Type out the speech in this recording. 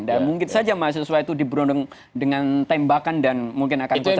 dan mungkin saja mahasiswa itu diberundung dengan tembakan dan mungkin akan kejar kejar